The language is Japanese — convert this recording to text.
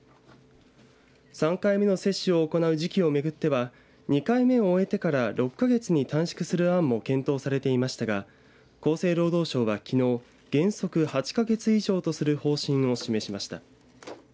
３回目の接種を行う時期をめぐっては２回目を終えてから６か月に短縮する案も検討されていましたが厚生労働省は、きのう原則８か月以上とする方針を示しました。